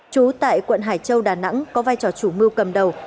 trú tại quận hải châu đà nẵng có vai trò chủ mưu cầm đầu